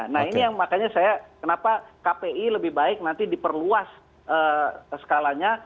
nah ini yang makanya saya kenapa kpi lebih baik nanti diperluas skalanya